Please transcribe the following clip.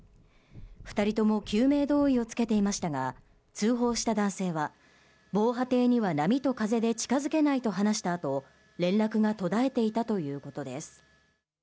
２人とも救命胴衣を着けていましたが、通報した男性は防波堤には波と風で近づけないと話したあと連絡が途絶えていたということです。